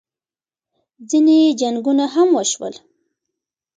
ځینې جنګونه هم وشول